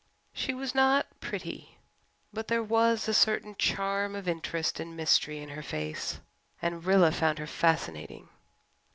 She was not pretty but there was a certain charm of interest and mystery in her face, and Rilla found her fascinating.